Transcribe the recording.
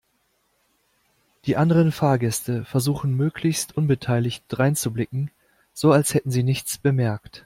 Die anderen Fahrgäste versuchten möglichst unbeteiligt dreinzublicken, so als hätten sie nichts bemerkt.